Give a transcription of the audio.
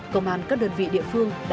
công an các đơn vị địa phương